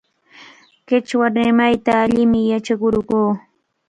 Qichwa rimayta allimi yachakurqun.